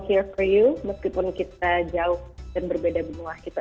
kita semua disini untuk anda meskipun kita jauh dan berbeda benua itu aja